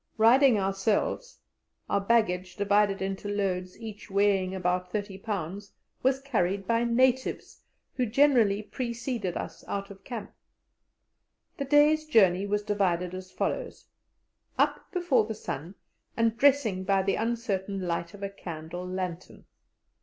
Riding ourselves, our baggage (divided into loads each weighing about 30 pounds) was carried by natives, who generally preceded us out of camp. The day's journey was divided as follows: Up before the sun, and dressing by the uncertain light of a candle lantern.